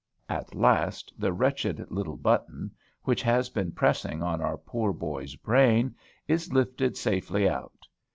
At last the wretched little button, which has been pressing on our poor boy's brain, is lifted safely out.